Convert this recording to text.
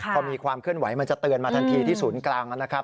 พอมีความเคลื่อนไหวมันจะเตือนมาทันทีที่ศูนย์กลางนะครับ